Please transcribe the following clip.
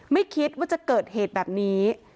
ไม่คิดว่าจะเกิดเหตุแบบนี้